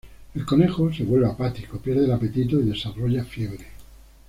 El conejo se vuelve apático, pierde el apetito y desarrolla fiebre.